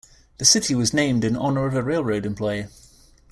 The city was named in honor of a railroad employee.